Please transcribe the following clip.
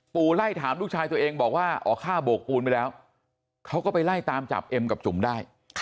ไล่ถามลูกชายตัวเองบอกว่าอ๋อฆ่าโบกปูนไปแล้วเขาก็ไปไล่ตามจับเอ็มกับจุ๋มได้